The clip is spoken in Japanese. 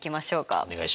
お願いします。